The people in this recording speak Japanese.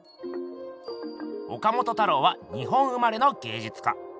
岡本太郎は日本生まれの芸術家。